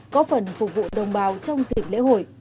có phần phục vụ đồng bào trong dịp lễ hội